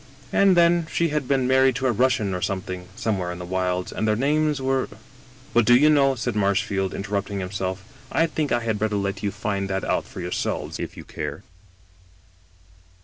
And then she had been married to a Russian, or something, somewhere in tiie wilds, and their names were —' But do you know," said Marsh field, interrupting himself, " I think I had better let you find that out for yourselves, if you care."